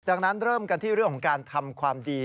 ดังนั้นเริ่มกันที่เรื่องของการทำความดี